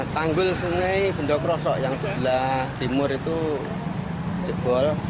tanggul sungai bendokroso yang sebelah timur itu jebol